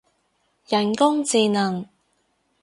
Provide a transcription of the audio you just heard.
人工智能